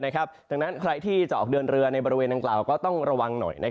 ดังนั้นใครที่จะออกเดินเรือในบริเวณดังกล่าวก็ต้องระวังหน่อย